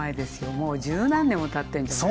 もう十何年もたってんじゃない？